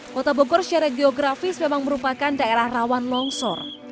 kota bogor secara geografis memang merupakan daerah rawan longsor